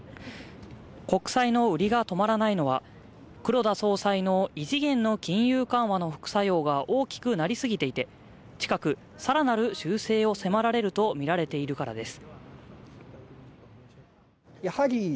国債の売りが止まらないのは、黒田総裁の異次元の金融緩和の副作用が大きくなりすぎていて、近く、さらなる修正を迫られるとみられているからです。